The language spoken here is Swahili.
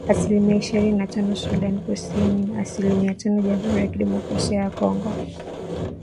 asilimia ishirini na tano Sudan Kusini na asilimia tano Jamhuri ya Kidemokrasia ya Kongo